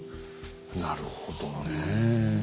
なるほどね。